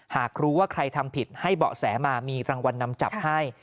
หากรู้ว่าใครทำผิดให้เบาะแสมามีรางวัลนำจับให้